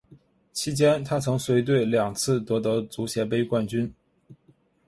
期间她曾随队两次夺得足协杯冠军。